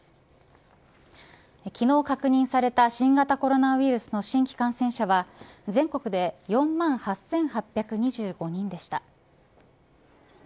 昨日確認された新型コロナウイルスの新規感染者は全国で４万８８２５人でした。